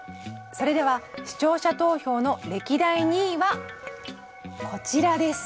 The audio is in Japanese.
それでは視聴者投票の歴代２位はこちらです。